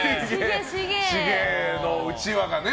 シゲのうちわがね。